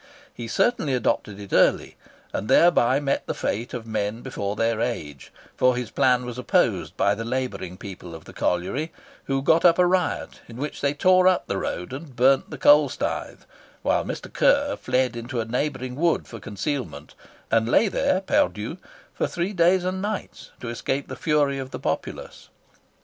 He certainly adopted it early, and thereby met the fate of men before their age; for his plan was opposed by the labouring people of the colliery, who got up a riot in which they tore up the road and burnt the coal staith, whilst Mr. Curr fled into a neighbouring wood for concealment, and lay there perdu for three days and nights, to escape the fury of the populace.